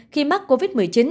khi mắc covid một mươi chín